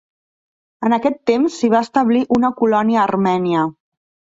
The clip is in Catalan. En aquest temps s'hi va establir una colònia armènia.